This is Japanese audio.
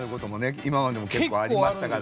今までも結構ありましたから。